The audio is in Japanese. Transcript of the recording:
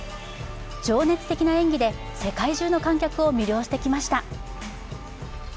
情熱的な演技で世界中の観客を魅了してきました。